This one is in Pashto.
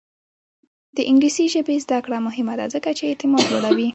د انګلیسي ژبې زده کړه مهمه ده ځکه چې اعتماد لوړوي.